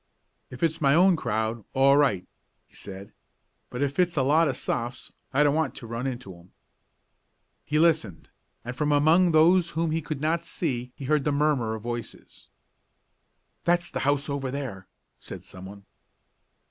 "If it's my own crowd all right," he said. "But if it's a lot of Sophs., I don't want to run into 'em." He listened, and from among those whom he could not see he heard the murmur of voices. "That's the house over there," said someone.